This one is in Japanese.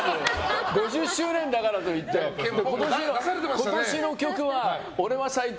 ５０周年だからといって今年の曲は「俺は最高！！！」